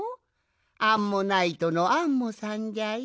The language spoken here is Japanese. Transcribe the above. アンモナイトのアンモさんじゃよ。